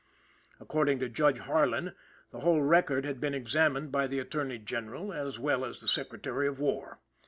According to Judge Harlan, the whole record had been examined by the Attorney General, as well as the Secretary of War.